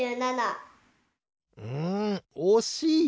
うんおしい！